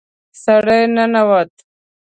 سړی ننوت.